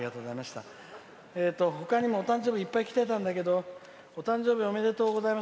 ほかにもお誕生日いっぱいきてたんだけどお誕生日おめでとうございます。